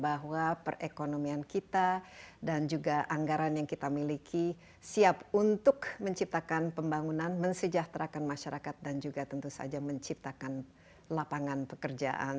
bahwa perekonomian kita dan juga anggaran yang kita miliki siap untuk menciptakan pembangunan mensejahterakan masyarakat dan juga tentu saja menciptakan lapangan pekerjaan